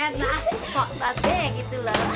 nah po mbak be gitu loh